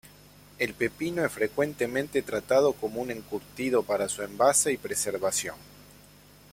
El pepino es frecuentemente tratado como un encurtido para su envase y preservación.